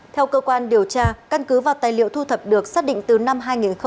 theo cơ quan điều tra căn cứ và tài liệu thu thập được xác định từ năm hai nghìn một mươi ba